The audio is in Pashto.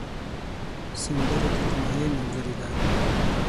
سندره د تنهايي ملګرې ده